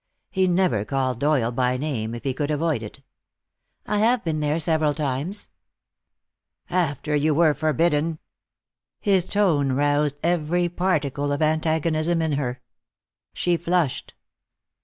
He never called Doyle by name if he could avoid it. "I have been there several times." "After you were forbidden?" His tone roused every particle of antagonism in her. She flushed.